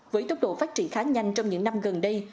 với tốc độ phát triển khá nhanh trong những năm gần đây